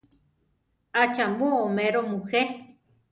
¿ acha mu oméro mujé?